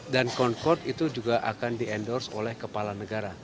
dan concord itu juga akan di endorse oleh kepala negara